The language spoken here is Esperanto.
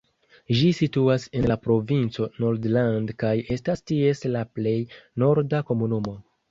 Ĝi situas en la provinco Nordland kaj estas ties la plej norda komunumo.